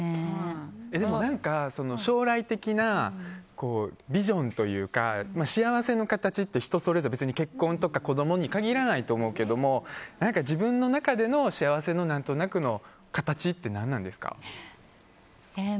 でも何か、将来的なビジョンというか幸せの形って人それぞれ結婚とか子供に限らないと思うけども自分の中での幸せの何となくの形って何なんですか？